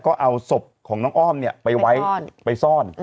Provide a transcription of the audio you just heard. ก็เอาศพของน้องอ้อมเนี่ยไปไว้ไปซ่อนไปซ่อน